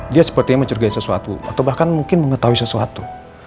dia sepertinya mencurigai sesuatu atau bahkan mungkin mengetahui sesuatu